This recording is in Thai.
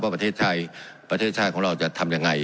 ประเทศไทยประเทศชาติของเราจะทำยังไง